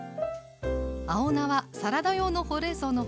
青菜はサラダ用のほうれんそうの他